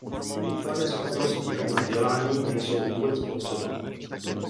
Výtvarné schopnosti ani vzdělání nejsou vůbec potřeba.